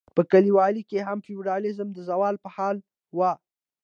په کلیو کې هم فیوډالیزم د زوال په حال و.